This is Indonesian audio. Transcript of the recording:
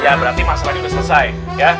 ya berarti masalah ini udah selesai ya